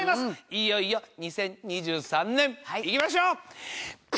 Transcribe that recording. いよいよ２０２３年行きましょう。